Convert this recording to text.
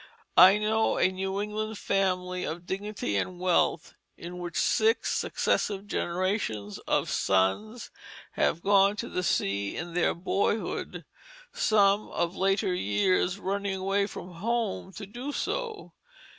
I know a New England family of dignity and wealth in which six successive generations of sons have gone to sea in their boyhood, some of later years running away from home to do so.